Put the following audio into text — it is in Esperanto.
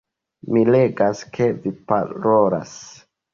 Mi legas, ke vi parolas